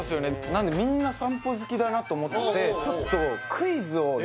なんでみんな散歩好きだなと思ってちょっとええ